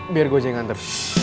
biar gue aja yang anter